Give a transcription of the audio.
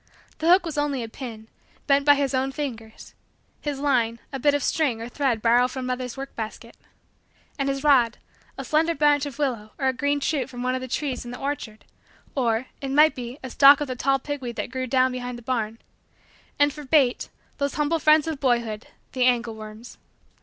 His hook was only a pin, bent by his own fingers; his line, a bit of string or thread borrowed from mother's work basket; and his rod, a slender branch of willow or a green shoot from one of the trees in the orchard, or, it might be, a stalk of the tall pigweed that grew down behind the barn; and for bait, those humble friends of boyhood, the angle worms.